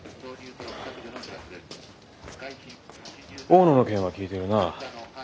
大野の件は聞いているな？